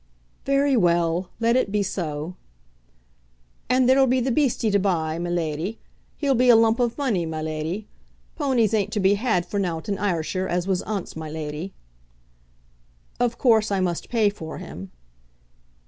"Very well. Let it be so." "And there'll be the beastie to buy, my leddie. He'll be a lump of money, my leddie. Pownies ain't to be had for nowt in Ayrshire, as was ance, my leddie." "Of course I must pay for him."